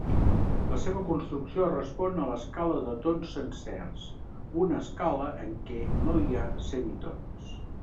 La seva construcció respon a l'escala de tons sencers, una escala en què no hi ha semitons.